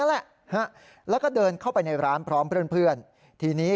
นั้นแหละฮะแล้วก็เดินเข้าไปในร้านพร้อมเพื่อนทีนี้